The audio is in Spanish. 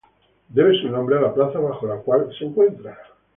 Debe su nombre a la plaza bajo la cual se encuentra.